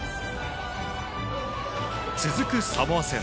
続くサモア戦。